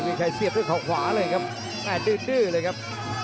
วิลชัยเสียบด้วยข้อขวาเลยครับหน้าดื้อเลยครับ